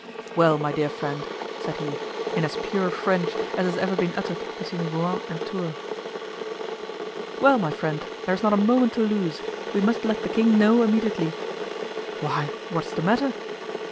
"Well, my dear friend?" said he, in as pure French as has ever been uttered between Rouen and Tours. "Well, my friend, there is not a moment to lose; we must let the king know immediately." "Why, what is the matter?"